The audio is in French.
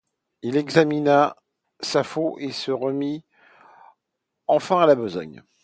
Il examina sa faux, il se remit enfin à la besogne.